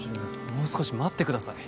もう少し待ってください